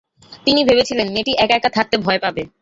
তিনি ভেবেছিলেন, মেয়েটি এক-একা থাকতে ভয় পাবে।